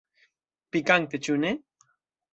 Pikante, ĉu ne?